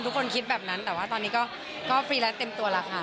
คิดแบบนั้นแต่ว่าตอนนี้ก็ฟรีแลนซ์เต็มตัวแล้วค่ะ